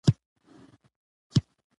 د علم د پراختیا لپاره هڅې باید وکړو.